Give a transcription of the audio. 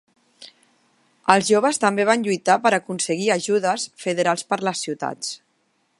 Els joves també van lluitar per aconseguir ajudes federals per les ciutats.